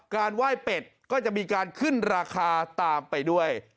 ไหว้เป็ดก็จะมีการขึ้นราคาตามไปด้วย